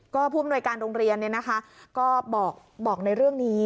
ก็ผู้อำนวยการโรงเรียนก็บอกในเรื่องนี้